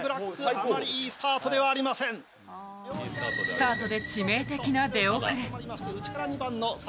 スタートで致命的な出遅れ。